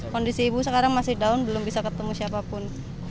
kondisi ibu sekarang masih down belum bisa ketemu siapapun